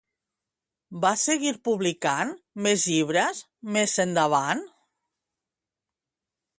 Va seguir publicant més llibres més endavant?